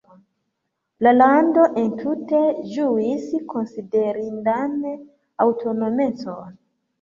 La lando entute ĝuis konsiderindan aŭtonomecon.